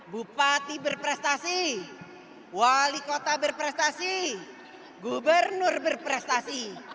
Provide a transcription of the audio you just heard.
bupati berprestasi wali kota berprestasi gubernur berprestasi